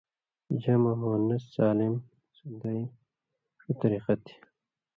جمع مؤنث سالم سندئیں ݜُو طریۡقہ تھی